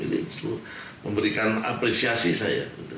ini memberikan apresiasi saya